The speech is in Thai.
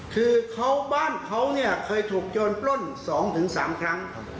คือเขาบ้านเขาเนี่ยเคยถูกโจรปล้น๒๓ครั้ง